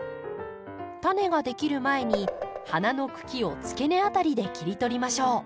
タネができる前に花の茎をつけ根辺りで切り取りましょう。